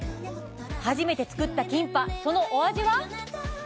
初めて作ったキンパそのお味は？